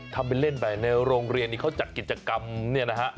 ทำเป็นเล่นไปในโรงเรียนนี้เขาจัดกิจกรรมเนี่ยนะฮะ